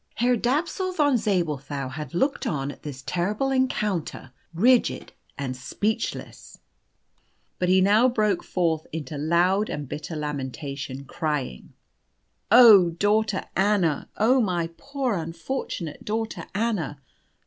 Herr Dapsul von Zabelthau had looked on at this terrible encounter rigid and speechless, but he now broke forth into loud and bitter lamentation, crying, "Oh, daughter Anna! oh, my poor unfortunate daughter Anna!